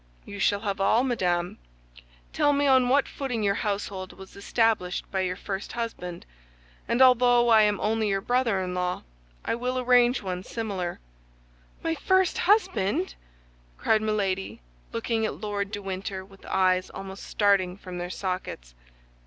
"You shall have all, madame. Tell me on what footing your household was established by your first husband, and although I am only your brother in law, I will arrange one similar." "My first husband!" cried Milady, looking at Lord de Winter with eyes almost starting from their sockets.